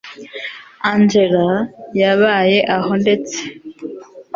angella yabaye aho ndetse